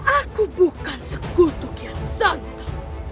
aku bukan sekutu kian santo